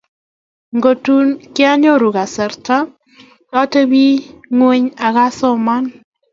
Kotun kianyoru kasarta atebi ngweny akasoman